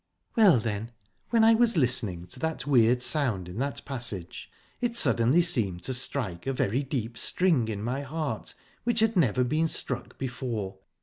"Well, then when I was listening to that weird sound in that passage, it suddenly seemed to strike a very deep string in my heart, which had never been struck before.